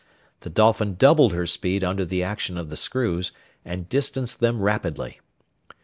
The Dolphin doubled her speed under the action of the screws, and distanced them rapidly.